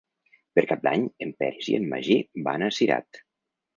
Per Cap d'Any en Peris i en Magí van a Cirat.